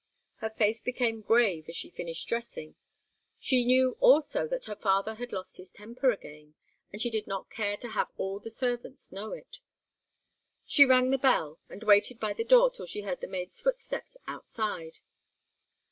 Her face became grave as she finished dressing. She knew also that her father had lost his temper again, and she did not care to have all the servants know it. She rang the bell, and waited by the door till she heard the maid's footsteps outside.